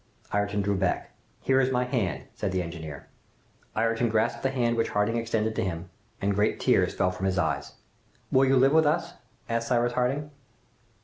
Ayrton drew back. "Here is my hand!" said the engineer. Ayrton grasped the hand which Harding extended to him, and great tears fell from his eyes. "Will you live with us?" asked Cyrus Harding.